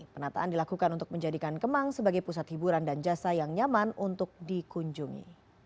penataan dilakukan untuk menjadikan kemang sebagai pusat hiburan dan jasa yang nyaman untuk dikunjungi